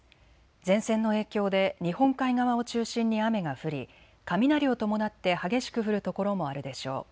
前線の影響で日本海側を中心に雨が降り雷を伴って激しく降る所もあるでしょう。